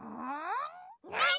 なに？